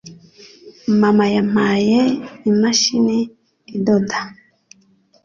Mama yampaye imashini idoda.